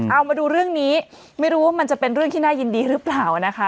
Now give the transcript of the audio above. เอามาดูเรื่องนี้ไม่รู้ว่ามันจะเป็นเรื่องที่น่ายินดีหรือเปล่านะคะ